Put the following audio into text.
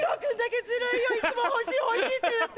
いつも欲しい欲しいって言って。